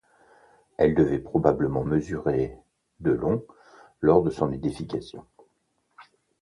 Elle devait probablement mesurer de long lors de son édification.